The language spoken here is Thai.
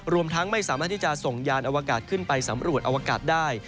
รวมทั้งไม่สามารถที่จะส่งยานอวกาศขึ้นไปสำรวจอวกาศได้